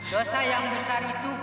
dosa yang besar itu